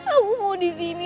aku mau disini